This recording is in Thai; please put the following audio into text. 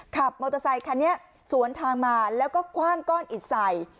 มอเตอร์ไซคันนี้สวนทางมาแล้วก็คว่างก้อนอิดใส่